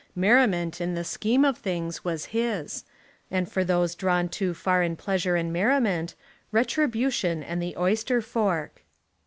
Merriment in the scheme of things was his, and for those drawn too far in pleasure and merriment, retri bution and the oyster fork.